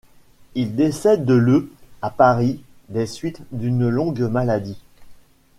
Il décède le à Paris, des suites d'une longue maladie.